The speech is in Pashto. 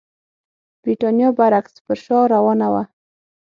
برېټانیا برعکس پر شا روانه وه.